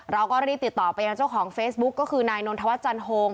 เราก็รีบติดต่อไปยังเจ้าของเฟซบุ๊กก็คือนายนนทวัฒนจันโฮง